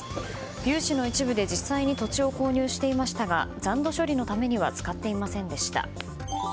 融資の一部で実際に土地を購入していましたが残土処理のためには使っていませんでした。